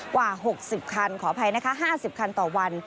กว่า๖๐คันขออภัยนะคะ๕๐คันต่อวัน